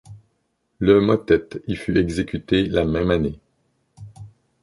Le motet y fut exécuté la même année.